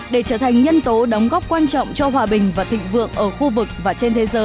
để trở thành nhân tố đóng góp quan trọng cho hòa bình và thịnh vượng ở khu vực